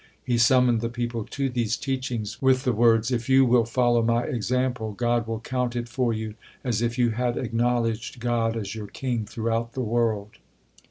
He summoned the people to these teachings with the words: "If you will follow my example, God will count it for you as if you had acknowledged God as your king throughout the world."